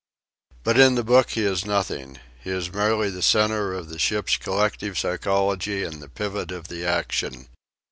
But in the book he is nothing; he is merely the centre of the ship's collective psychology and the pivot of the action.